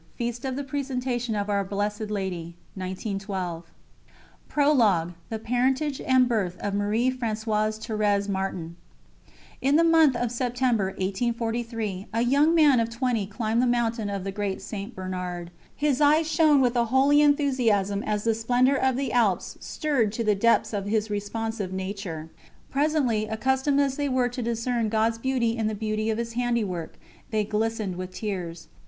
Feast of the Presentation of Our Blessed Lady, 1912. ______________________________ PROLOGUE: THE PARENTAGE & BIRTH OF MARIE FRANÇOISE THÉRÈSE MARTIN In the month of September, 1843, a young man of twenty climbed the mountain of the Great St. Bernard. His eyes shone with a holy enthusiasm as the splendour of the Alps stirred to the depths his responsive nature. Presently, accustomed as they were to discern God's beauty in the beauty of His handiwork, they glistened with tears.